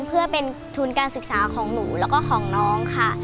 เพื่อเป็นทุนการศึกษาของหนูแล้วก็ของน้องค่ะ